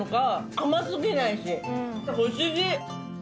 甘すぎないし、おいしい。